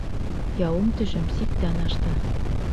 Яуым-төшөм сиктән ашты.